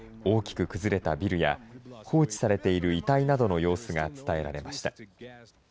大きく崩れたビルや、放置されている遺体などの様子が伝えられました。